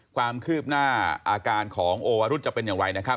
ความคืบหน้าอาการของโอวรุธจะเป็นอย่างไรนะครับ